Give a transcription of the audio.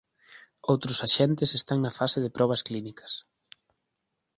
Outros axentes están na fase de probas clínicas.